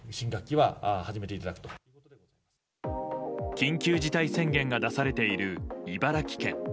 緊急事態宣言が出されている茨城県。